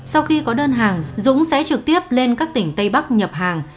sau khi có đơn hàng dũng sẽ trực tiếp lên các tỉnh tây bắc nhập hàng